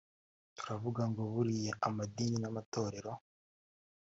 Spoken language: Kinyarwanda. tukavuga ngo buriya amadini n’amatorero